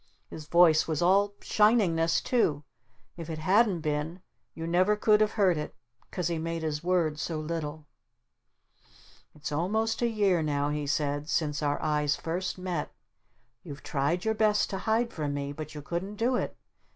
His voice was all SHININGNESS too! If it hadn't been you never could have heard it 'cause he made his words so little. "It's almost a year now," he said, "since our eyes first met. You've tried your best to hide from me but you couldn't do it.